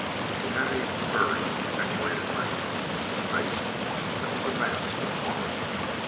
It had eight furry, attenuated legs and a face that was a mask of horror.